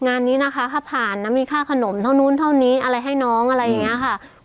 งานนี้นะคะถ้าผ่านนะมีค่าขนมเท่านู้นเท่านี้อะไรให้น้องอะไรอย่างนี้ค่ะ